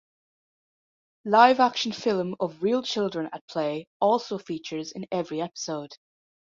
Live action film of real children at play also features in every episode.